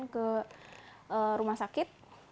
ke rumah sakit